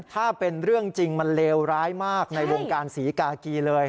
ถ้าเป็นเรื่องจริงมันเลวร้ายมากในวงการศรีกากีเลย